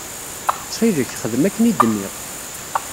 Ttxil-k, xdem akken i d-nniɣ.